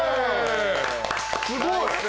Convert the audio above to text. すごい。